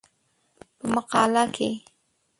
په مقاله کې